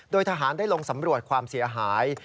โดยทหารได้ลงสำรวจความเสียหาย